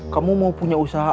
kamu mau punya usaha